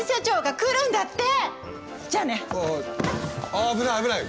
あ危ない危ない。